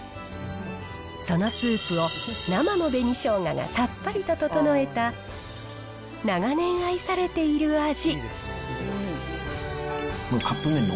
そのスープを、生の紅しょうががさっぱりと整えた長年愛されている味。